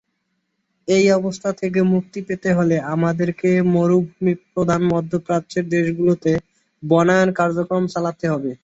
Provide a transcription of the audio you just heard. এই অবস্থা থেকে মুক্তি পেতে হলে আমাদেরকে মরুভূমি প্রধান মধ্যপ্রাচ্যের দেশগুলোতে বনায়ন কার্যক্রম চালাতে হবে।